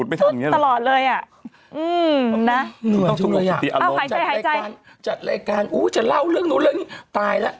จัดรายการจะเล่าเรื่องนู้นตายแล้ว